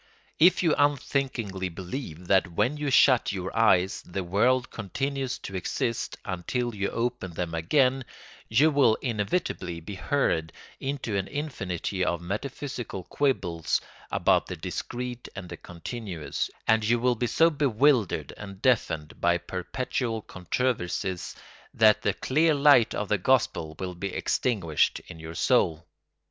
If you unthinkingly believe that when you shut your eyes the world continues to exist until you open them again, you will inevitably be hurried into an infinity of metaphysical quibbles about the discrete and the continuous, and you will be so bewildered and deafened by perpetual controversies that the clear light of the gospel will be extinguished in your soul."